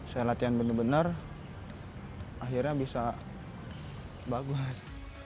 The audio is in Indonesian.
saya latihan bener bener akhirnya bisa bagus